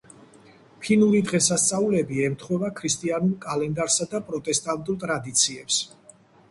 ფინური დღესასწაულები ემთხვევა ქრისტიანულ კალენდარსა და პროტესტანტულ ტრადიციებს.